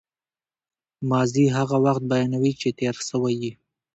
ماضي هغه وخت بیانوي، چي تېر سوی يي.